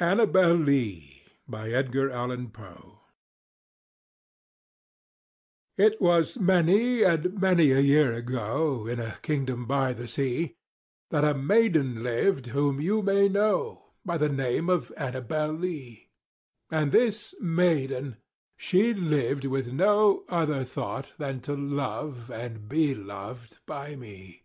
ANNABEL LEE. It was many and many a year ago, In a kingdom by the sea, That a maiden lived whom you may know By the name of ANNABEL LEE;— And this maiden she lived with no other thought Than to love and be loved by me.